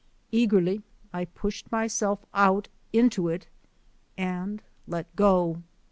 Eagerly I pushed myself out into it and let go.